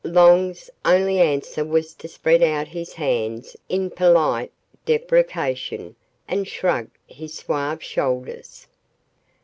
Long's only answer was to spread out his hands in polite deprecation and shrug his suave shoulders.